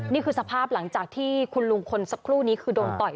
นี่คือสภาพหลังจากที่คุณลุงคนสักครู่นี้คือโดนต่อย